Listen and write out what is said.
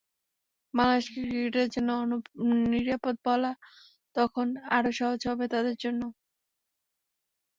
বাংলাদেশকে ক্রিকেটের জন্য অনিরাপদ বলা তখন আরও সহজ হবে তাদের জন্য।